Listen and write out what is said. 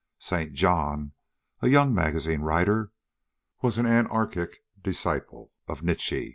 St. John, a young magazine writer, was an anarchic disciple of Nietzsche.